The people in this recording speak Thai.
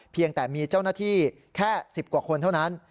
เพียงแต่มีเจ้าหน้าที่แค่๑๐กว่าคนเท่านั้น